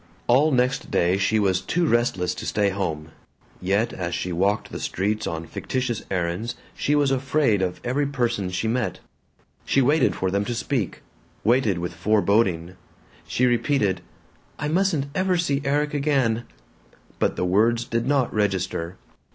All next day she was too restless to stay home, yet as she walked the streets on fictitious errands she was afraid of every person she met. She waited for them to speak; waited with foreboding. She repeated, "I mustn't ever see Erik again." But the words did not register.